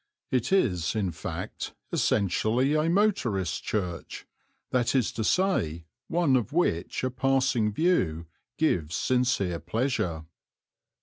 It is, in fact, essentially a motorist's church that is to say, one of which a passing view gives sincere pleasure.